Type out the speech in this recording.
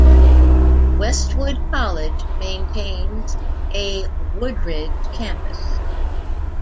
Westwood College maintains a Woodridge campus.